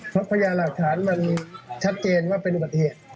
เพราะพยานหลักฐานมันชัดเจนว่าเป็นอุบัติเหตุ